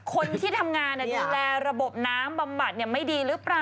คนที่ทำงานดูแลระบบน้ำบำบัดไม่ดีหรือเปล่า